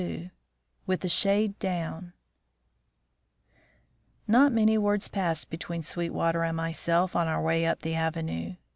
XXXII WITH THE SHADE DOWN Not many words passed between Sweetwater and myself on our way up the Avenue.